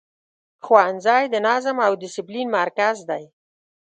ښوونځی د نظم او دسپلین مرکز دی.